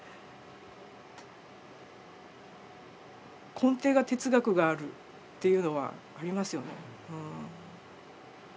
根底が哲学があるっていうのはありますよね。